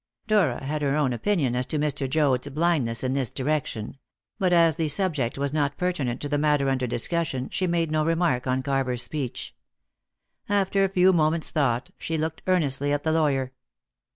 Dora had her own opinion as to Mr. Joad's blindness in this direction; but as the subject was not pertinent to the matter under discussion, she made no remark on Carver's speech. After a few moments' thought, she looked earnestly at the lawyer.